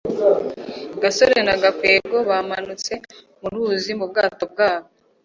gasore na gakwego bamanutse mu ruzi mu bwato bwabo